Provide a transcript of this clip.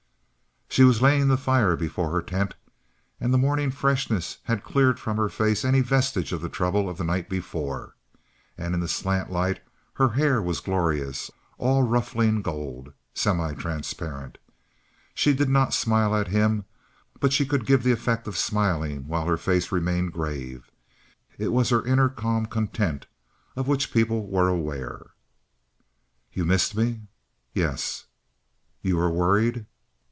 She was laying the fire before the tent; and the morning freshness had cleared from her face any vestige of the trouble of the night before; and in the slant light her hair was glorious, all ruffling gold, semitransparent. She did not smile at him; but she could give the effect of smiling while her face remained grave; it was her inward calm content of which people were aware. "You missed me?" "Yes." "You were worried?"